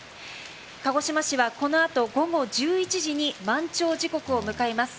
鹿児島市はこの後午後１１時に満潮時刻を迎えます。